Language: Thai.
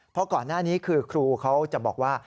เพราะก่อนหน้านี้คือครูเขาจะบอกว่า